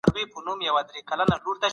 فساد کول د ټولني هر اړخ ته زیان رسوي.